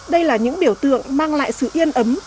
đây là những biểu tượng mang lại sự yên ấm